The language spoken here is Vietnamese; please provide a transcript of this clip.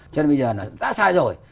cho nên bây giờ là đã sai rồi